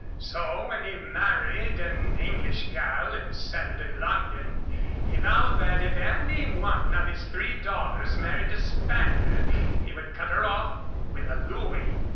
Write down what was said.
So when he married an English girl and settled in London, he vowed that if any one of his three daughters married a Spaniard he would cut her off with a louis."